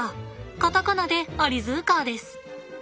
カタカナで「アリヅカ」です。